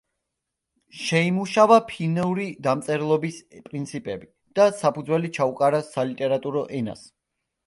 შეიმუშავა ფინური დამწერლობის პრინციპები და საფუძველი ჩაუყარა სალიტერატურო ენას.